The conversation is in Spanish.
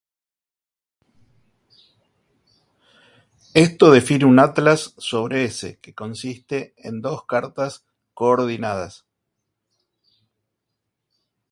Esto define un atlas sobre "S" que consiste de dos cartas coordinadas.